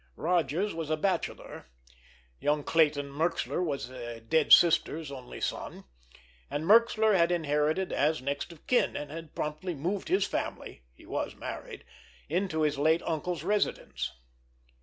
Rodgers was a bachelor; young Clayton Merxler was a dead sister's only son—and Merxler had inherited as next of kin, and had promptly moved his family—he was married—into his late uncle's residence.